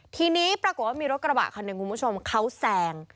ทีนี้ปรากฏว่ามีรถกระบะคันหนึ่งคุณผู้ชมเขาแซง